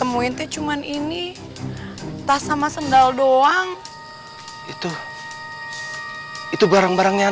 aku akan menganggap